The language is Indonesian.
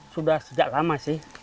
sudah sejak lama sih